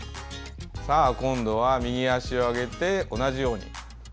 今度は右足を上げて同じように。